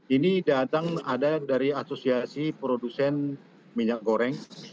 ini datang ada dari asosiasi produsen minyak goreng